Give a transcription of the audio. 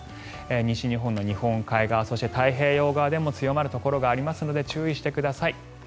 西日本の日本海側、そして太平洋側でも強まるところがありますので注意してください。